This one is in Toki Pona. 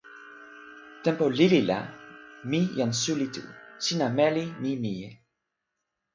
tenpo lili la, mi jan suli tu. sina meli. mi mije.